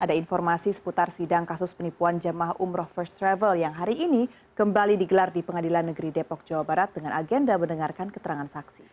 ada informasi seputar sidang kasus penipuan jemaah umroh first travel yang hari ini kembali digelar di pengadilan negeri depok jawa barat dengan agenda mendengarkan keterangan saksi